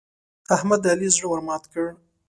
احمد د علي زړه ور مات کړ.